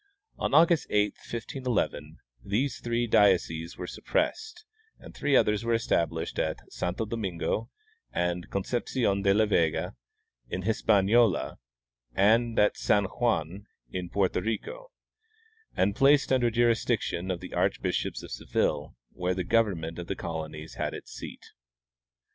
On August 8, 1511, these three dioceses were suppressed, and three others were established at Santo Domingo and Concepcion de la Vega, in Hispaniola, and at San Juan, in Porto Rico, and placed under the jurisdic tion of the archbishops of Seville, where the government of the colonies had its seat.